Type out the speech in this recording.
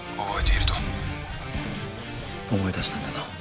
思い出したんだな？